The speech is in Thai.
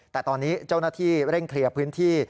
แต่ตอนนี้เจ้าหน้าที่เร่งเคลียร์พื้นที่